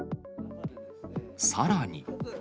さらに。